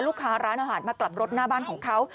ลูกค้าร้านอาหารมาตรับรถหน้าบ้านของเขา